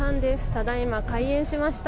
ただいま開園しました。